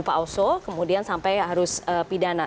pak oso kemudian sampai harus pidana